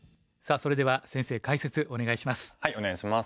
それでは先生解説お願いします。